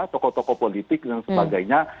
toko toko politik dan sebagainya